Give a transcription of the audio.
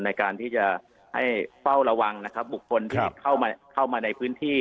ในการที่จะให้เฝ้าระวังนะครับบุคคลที่เข้ามาในพื้นที่